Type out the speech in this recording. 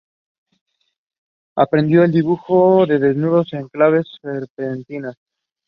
She has won film awards from all the four south Indian states.